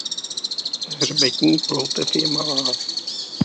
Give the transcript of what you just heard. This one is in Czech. Hřbetní ploutev je malá.